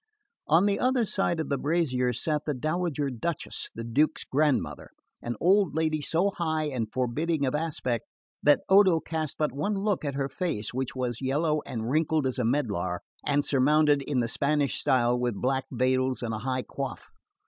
On the other side of the brazier sat the dowager Duchess, the Duke's grandmother, an old lady so high and forbidding of aspect that Odo cast but one look at her face, which was yellow and wrinkled as a medlar, and surmounted, in the Spanish style, with black veils and a high coif.